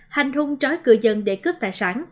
hành hung trói cư dân để cướp tài sản